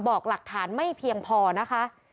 บอกหลักฐานไม่เพียงพอนะคะ